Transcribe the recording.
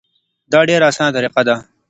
دا ډیره اسانه طریقه ده.